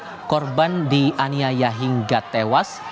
tidak menyangka korban dianiaya hingga tewas